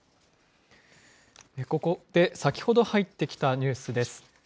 ここで先ほど入ってきたニュースです。